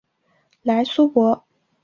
莱苏博。